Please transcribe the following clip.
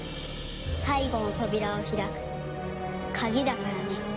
最後の扉を開く鍵だからね。